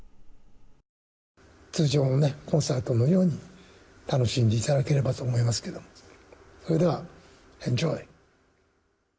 通常のコンサートのように楽しんでいただければと思いますがそれでは、エンジョイ！